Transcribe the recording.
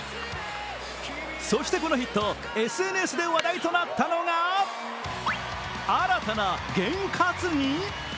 そしてこのヒット、ＳＮＳで話題となったのが新たな験担ぎ？